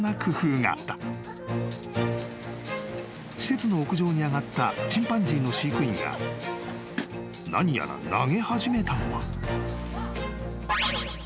［施設の屋上に上がったチンパンジーの飼育員が何やら投げ始めたのは］